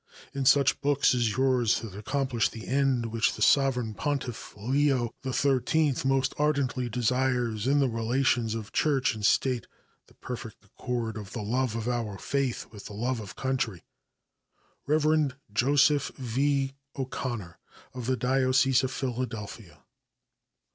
It is such books as yours that accomplish the end which the Sovereign Pontiff, Leo XIII, most ardently desires, in the relations of Church and State the perfect accord of the love of our faith with the love of country. Rev. Joseph V. O'Connor, of the diocese of Philadelphia.